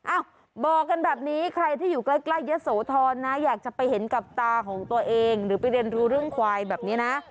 เอ้าบอกกันแบบนี้ใครที่อยู่ใกล้ยะโสธรนะอยากจะไปเห็นกับตาของตัวเองหรือไปเรียนรู้เรื่องควายแบบนี้นะ